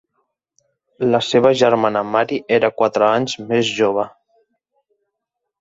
La seva germana Mary era quatre anys més jove.